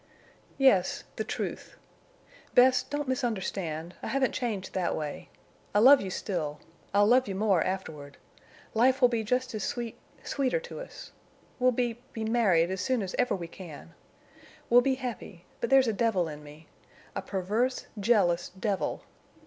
"Yes—the truth. Bess, don't misunderstand. I haven't changed that way. I love you still. I'll love you more afterward. Life will be just as sweet—sweeter to us. We'll be—be married as soon as ever we can. We'll be happy—but there's a devil in me. A perverse, jealous devil!